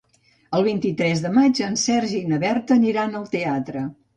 El vint-i-tres de maig en Sergi i na Berta aniran al teatre.